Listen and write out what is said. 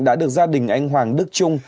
đã được gia đình anh hoàng đức trung